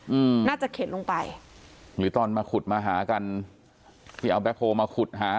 อืมน่าจะเข็นลงไปหรือตอนมาขุดมาหากันที่เอาแบ็คโฮลมาขุดหา